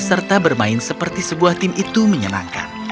serta bermain seperti sebuah tim itu menyenangkan